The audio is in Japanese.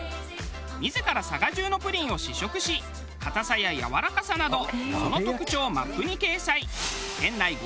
自ら佐賀中のプリンを試食し硬さややわらかさなどその特徴をマップに掲載。